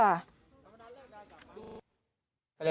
วันนั้นเริ่มได้กลับมาดู